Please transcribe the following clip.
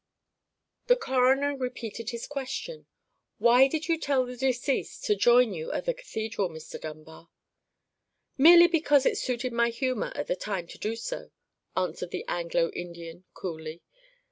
The coroner repeated his question: "Why did you tell the deceased to join you at the cathedral, Mr. Dunbar?" "Merely because it suited my humour at the time to do so," answered the Anglo Indian, coolly.